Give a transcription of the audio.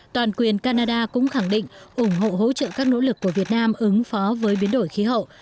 toàn quyền canada cũng khẳng định ủng hộ hỗ trợ các nỗ lực của việt nam ứng phó với biến đổi khí hậu